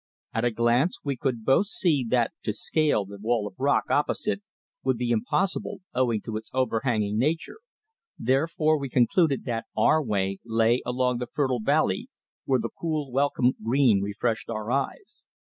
At a glance we could both see that to scale the wall of rock opposite would be impossible owing to its overhanging nature, therefore, we concluded that our way lay along the fertile valley where the cool welcome green refreshed our eyes.